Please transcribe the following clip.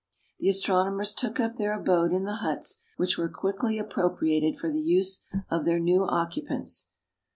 The astronomers took up their abode in the huts, which were quickly appropriated for the use of their new occupants.